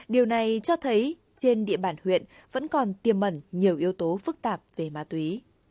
điều này cho thấy trên địa bàn huyện vẫn còn tiềm mẩn nhiều yếu tố phức tạp về ma túy